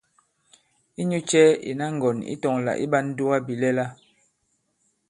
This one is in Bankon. Inyu cɛ ìna ŋgɔ̀n ǐ tɔ̄ŋ lā ǐ ɓā ǹdugabìlɛla ?